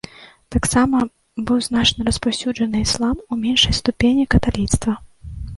Таксама быў значна распаўсюджаны іслам, у меншай ступені каталіцтва.